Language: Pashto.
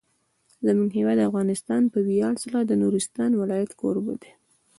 زموږ هیواد افغانستان په ویاړ سره د نورستان ولایت کوربه دی.